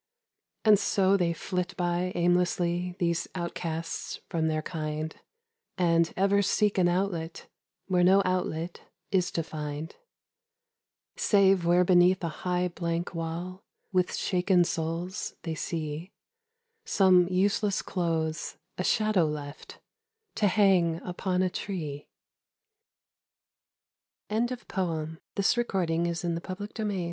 And so they flit by aimlessly These outcasts from their kind, And ever seek an outlet Where no outlet is to find. 101 Cul de Sac. Save where beneath a high blank wall With shaken souls they see Some useless clothes a shadow left To hang upon a tree. 102 HELEN ROOTHAM. THE NUN.